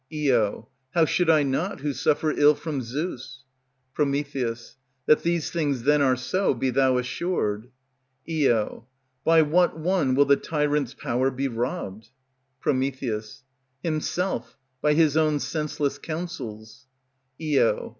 Io. How should I not, who suffer ill from Zeus? Pr. That these things then are so, be thou assured. Io. By what one will the tyrant's power be robbed? Pr. Himself, by his own senseless counsels. _Io.